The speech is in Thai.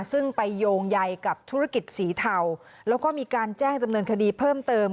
ซึ่งไปโยงใยกับธุรกิจสีเทาแล้วก็มีการแจ้งดำเนินคดีเพิ่มเติม